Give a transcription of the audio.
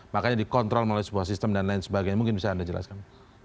makanya dikontrol melalui sebuah sistem dan lain sebagainya mungkin bisa anda jelaskan